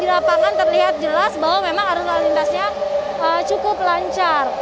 di lapangan terlihat jelas bahwa memang arus lalu lintasnya cukup lancar